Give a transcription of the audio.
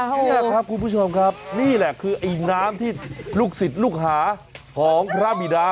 นี่ครับคุณผู้ชมครับนี่แหละคือไอ้น้ำที่ลูกศิษย์ลูกหาของพระบิดา